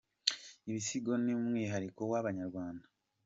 ibisigo numwihariko wabanyarwanda.